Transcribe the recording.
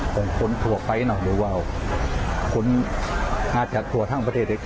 ของคนทั่วไปหน่อยก็ว่าคนอาจจะทั่วทั้งประเทศเอง